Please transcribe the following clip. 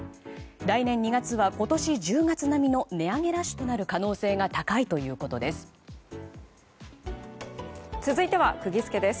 来年２月は、今年１０月並みの値上げラッシュとなる可能性が高いということです。